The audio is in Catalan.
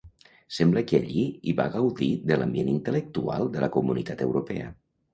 Sembla que allí hi va gaudir de l'ambient intel·lectual de la comunitat europea.